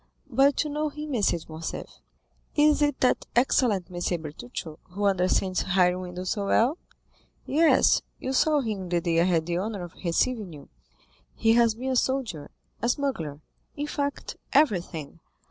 But you know him, M. de Morcerf." "Is it that excellent M. Bertuccio, who understands hiring windows so well?" "Yes, you saw him the day I had the honor of receiving you; he has been a soldier, a smuggler—in fact, everything.